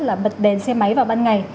là bật đèn xe máy vào ban ngày